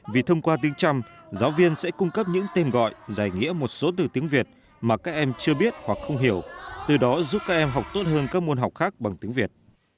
vì thông qua tiếng trăm giáo viên sẽ cung cấp những tên gọi giải nghĩa một số từ tiếng việt mà các em chưa biết hoặc không hiểu từ đó giúp các em học tốt hơn các môn học khác bằng tiếng việt